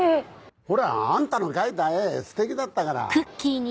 ほらあんたの描いた絵ステキだったから。